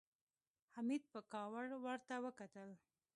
حميد په کاوړ ورته وکتل.